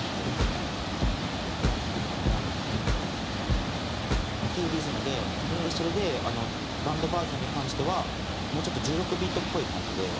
タンタンタン。っていうリズムでそれでバンドバージョンに関してはもうちょっと１６ビートっぽい感じで。